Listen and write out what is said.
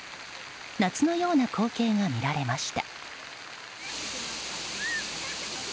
夏のような光景が見られました。